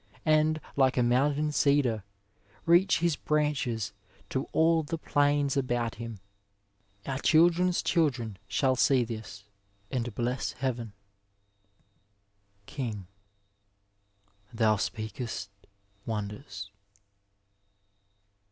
And, like a mountain cedar, reach his branches To all the plains about him. Our children's childroi Shall see this, and bless heaven. King. Thou speakest wonders.